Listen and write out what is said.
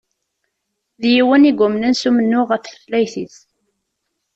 D yiwen i yumnen s umennuɣ ɣef tutlayt-is.